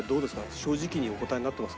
正直にお答えになってますかね？